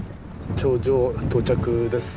頂上到着です。